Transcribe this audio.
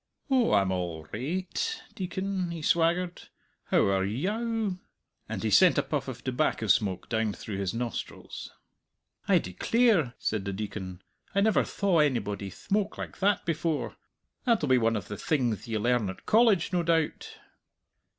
"Oh, I'm all rai ight, Deacon," he swaggered; "how are ye ow?" and he sent a puff of tobacco smoke down through his nostrils. "I declare!" said the Deacon. "I never thaw onybody thmoke like that before! That'll be one of the thingth ye learn at College, no doubt."